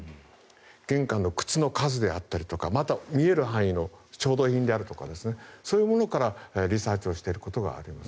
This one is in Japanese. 玄関の靴の数であったりとかまたは見える範囲の調度品とかそういうものからリサーチしている可能性があります。